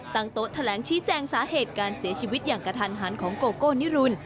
โต๊ะแถลงชี้แจงสาเหตุการเสียชีวิตอย่างกระทันหันของโกโก้นิรุน